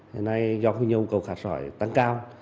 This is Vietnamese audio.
hôm nay do nhu cầu cát sỏi tăng cao